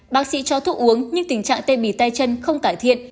bác sĩ cho thuốc uống nhưng tình trạng tê bì tay chân không cải thiện